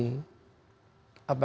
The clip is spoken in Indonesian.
nah kalau sudah begini